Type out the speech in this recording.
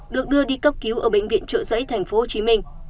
được đưa đi cấp cứu ở bệnh viện trợ giấy tp hcm